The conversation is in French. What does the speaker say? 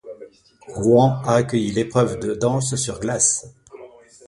Rouen a accueilli l'épreuve de danse sur glace.